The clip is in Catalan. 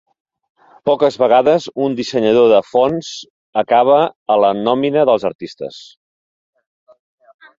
Poques vegades un dissenyador de fonts acaba a la nòmina dels artistes.